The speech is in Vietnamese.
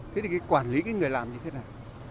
thế thì quản lý người làm như thế nào